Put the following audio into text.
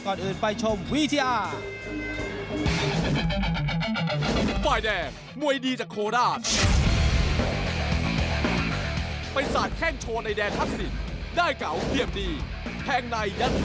ก่อนอื่นไปชมวิทยา